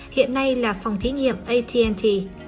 hiện nay là phòng thí nghiệm at t